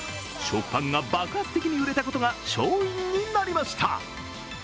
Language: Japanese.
食パンが爆発的に売れたことが勝因になりました。